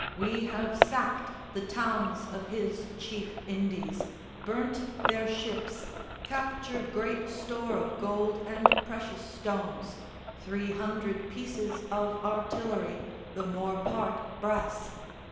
We have sacked The towns of his chief Indies, burnt their ships, Captured great store of gold and precious stones, Three hundred pieces of artillery, The more part brass.